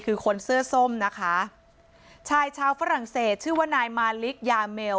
คือคนเสื้อส้มนะคะชายชาวฝรั่งเศสชื่อว่านายมาลิกยาเมล